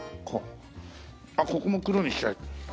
あっここも黒にしちゃえ。